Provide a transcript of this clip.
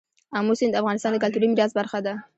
آمو سیند د افغانستان د کلتوري میراث برخه ده.